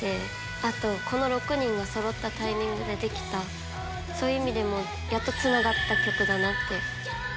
あと、この６人がそろったタイミングでできた、そういう意味でもやっとつながった曲だなって。